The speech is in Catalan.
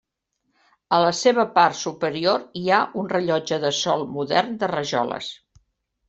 A la seva part superior hi ha un rellotge de sol modern de rajoles.